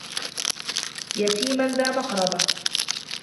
يتيما ذا مقربة